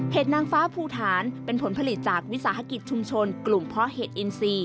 นางฟ้าภูฐานเป็นผลผลิตจากวิสาหกิจชุมชนกลุ่มเพาะเห็ดอินซี